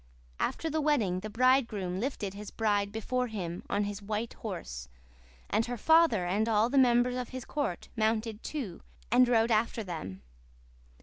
"After the wedding the bridegroom lifted his bride before him on his white horse, and her father and all the members of his court mounted, too, and rode after them.